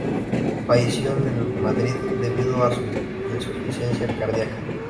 Falleció el en Madrid debido a una insuficiencia cardiaca.